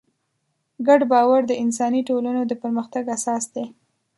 ګډ باور د انساني ټولنو د پرمختګ اساس دی.